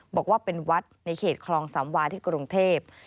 บอกว่าเป็นวัดในเขตคลองสามวาที่กรุงเทพ